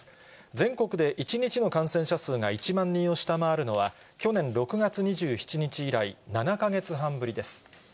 全国で１日の感染者数が１万人を下回るのは、去年６月２７日以来、７か月半ぶりです。